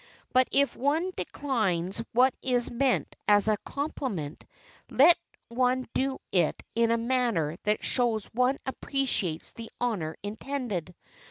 But if one declines what is meant as a compliment, let one do so in a manner that shows one appreciates the honor intended.